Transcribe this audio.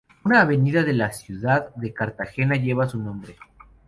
Una avenida de la ciudad de Cartagena lleva su nombre.